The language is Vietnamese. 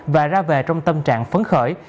và ra về trong tâm trạng phấn khởi